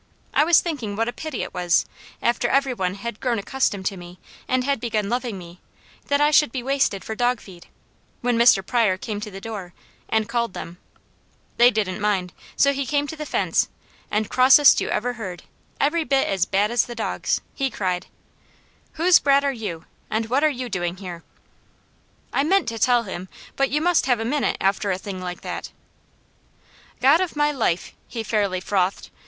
I was thinking what a pity it was, after every one had grown accustomed to me, and had begun loving me, that I should be wasted for dog feed, when Mr. Pryor came to the door, and called them; they didn't mind, so he came to the fence, and crossest you ever heard, every bit as bad as the dogs, he cried: "Whose brat are you, and what are you doing here?" I meant to tell him; but you must have a minute after a thing like that. "God of my life!" he fairly frothed.